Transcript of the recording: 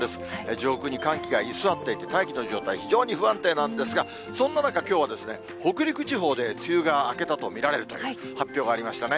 上空に寒気が居座っている、大気の状態、非常に不安定なんですが、そんな中、きょうは北陸地方で梅雨が明けたと見られるという発表がありましたね。